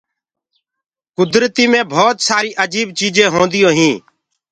ڪُدرتي مي ڀوت سآري اجيب چيجينٚ هونديونٚ هينٚ۔